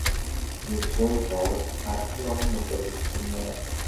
অবিশ্রাম চিহ্ন পড়িতেছে, আবার নূতন পদ আসিয়া অন্য পদের চিহ্ন মুছিয়া যাইতেছে।